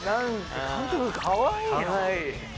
かわいい。